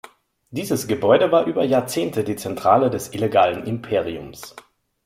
Dieses Gebäude war über Jahrzehnte die Zentrale des illegalen Imperiums.